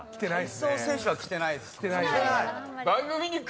体操選手は来てないです。